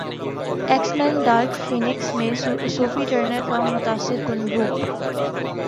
x Men Dark Phoenix میں Sophie Turner کا متاثر کن روپ